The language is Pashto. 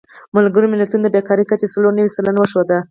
ملګرو ملتونو د بېکارۍ کچه څلور نوي سلنه وښوده.